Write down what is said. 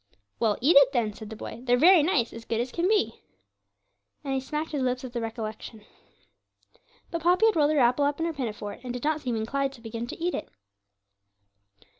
'Well, eat it then,' said the boy 'they're very nice as good as can be,' and he smacked his lips at the recollection. But Poppy had rolled her apple up in her pinafore, and did not seem inclined to begin to eat it.